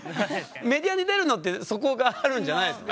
メディアに出るのってそこがあるんじゃないの？